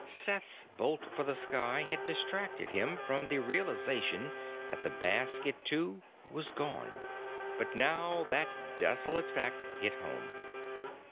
Seth's bolt for the sky had distracted him from the realization that the basket, too, was gone, but now that desolate fact hit home.